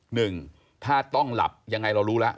หนึ่งถ้าต้องหลับยังไงเรารู้แล้ว